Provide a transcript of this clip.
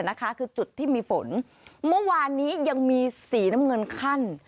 นะคะคือจุดที่มีฝนเมื่อวานนี้ยังมีสีน้ำเงินขั้น